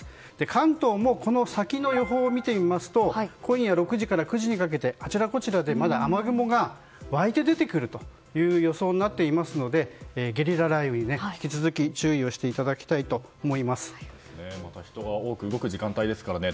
関東のこの先の予報を見てみますと今夜６時から９時にかけてあちらこちらで雨雲が湧いて出てくる予想になっていますのでゲリラ雷雨に引き続き注意をして人が多く動く時間帯ですからね。